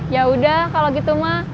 yaudah kalau gitu mah